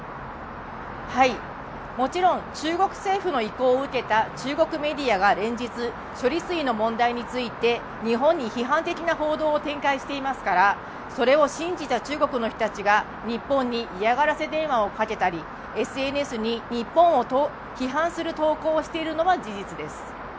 もちろん中国政府の意向を受けた中国メディアが連日、処理水の問題について日本に批判的な報道を展開していますから、それを信じた中国の人たちが、日本に嫌がらせ電話をかけたりＳＮＳに日本を批判する投稿をしているのは事実です。